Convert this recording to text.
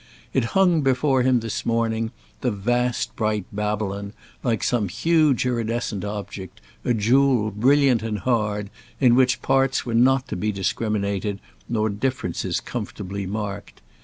It hung before him this morning, the vast bright Babylon, like some huge iridescent object, a jewel brilliant and hard, in which parts were not to be discriminated nor differences comfortably marked.